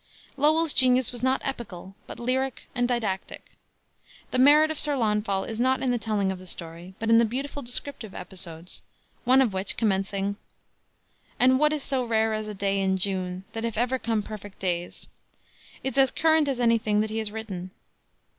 Lowell's genius was not epical, but lyric and didactic. The merit of Sir Launfal is not in the telling of the story, but in the beautiful descriptive episodes, one of which, commencing, "And what is so rare as a day in June? Then if ever come perfect days;" is as current as any thing that he has written.